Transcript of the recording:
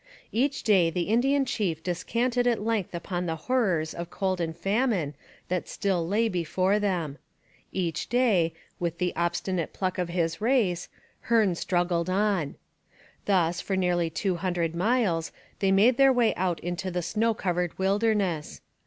Each day the Indian chief descanted at length upon the horrors of cold and famine that still lay before them. Each day, with the obstinate pluck of his race, Hearne struggled on. Thus for nearly two hundred miles they made their way out into the snow covered wilderness.